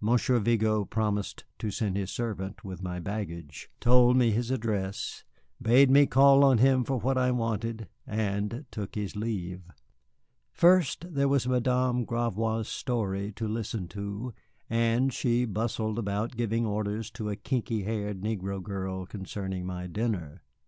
Monsieur Vigo promised to send his servant with my baggage, told me his address, bade me call on him for what I wanted, and took his leave. First, there was Madame Gravois' story to listen to as she bustled about giving orders to a kinky haired negro girl concerning my dinner.